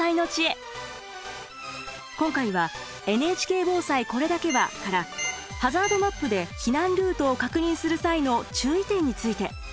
今回は「ＮＨＫ防災これだけは」からハザードマップで避難ルートを確認する際の注意点について。